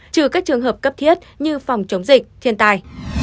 trừ các trường hợp cấp thiết như phòng chống dịch thiên tai